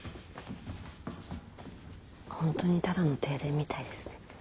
ホントにただの停電みたいですね。